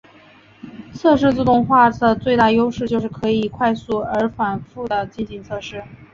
测试自动化的最大优势就是可以快速而且反覆的进行测试。